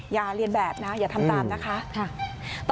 อย่าเรียนแบบนะอย่าทำตามนะคะ